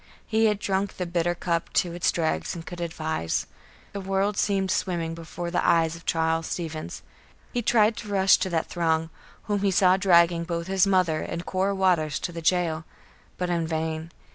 He had drunk the bitter cup to its dregs and could advise. The world seemed swimming before the eyes of Charles Stevens. He tried to rush to that throng, whom he saw dragging both his mother and Cora Waters to the jail; but in vain.